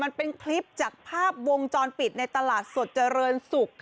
มันเป็นจากภาพวงจรปิดในตลาดสวดเจริญสุก